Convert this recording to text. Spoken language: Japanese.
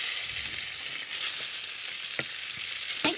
はい。